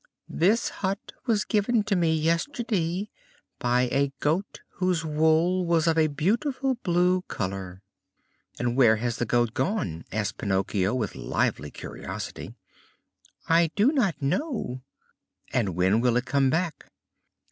"This hut was given to me yesterday by a goat whose wool was of a beautiful blue color." "And where has the goat gone?" asked Pinocchio, with lively curiosity. "I do not know." "And when will it come back?"